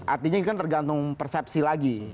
artinya ini kan tergantung persepsi lagi